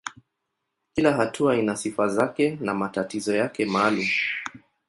Kila hatua ina sifa zake na matatizo yake maalumu.